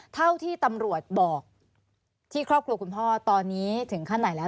เท่าที่ตำรวจบอกที่ครอบครัวคุณพ่อตอนนี้ถึงขั้นไหนแล้ว